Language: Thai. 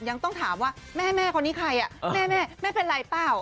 ยังต้องถามว่าแม่คนนี้ใครแม่แม่เป็นไรเปล่า